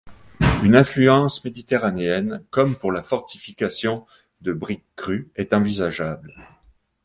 Une influence méditerranéenne, comme pour la fortification de brique crue, est envisageable.